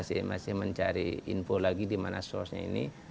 masih mencari info lagi di mana source nya ini